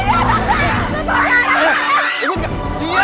jangan jangan lepas saya